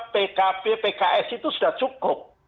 pkb pks itu sudah cukup